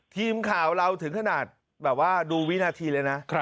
ทีมข่าวเราถึงขนาดแบบว่าดูวินาทีเลยนะ